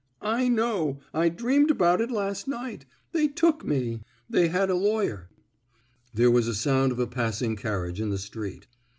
*' I know! I dreamed about it last night. They took me. They had a lawyer —" There was a sound of a pass ing carriage in the street.